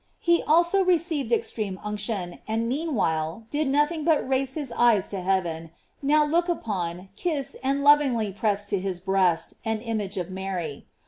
He also received extreme unction, and meanwhile did nothing but now raise his eyes to heaven, now look upon, kiss, and lovingly press to his breast, an image of Mary.